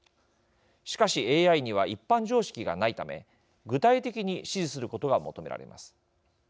しかしＡＩには一般常識がないため具体的に指示することが求められます。